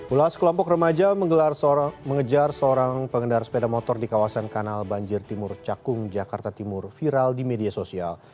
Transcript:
ulah sekelompok remaja mengejar seorang pengendara sepeda motor di kawasan kanal banjir timur cakung jakarta timur viral di media sosial